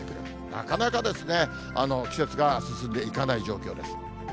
なかなかですね、季節が進んでいかない状況です。